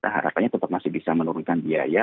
harapannya tetap masih bisa menurunkan biaya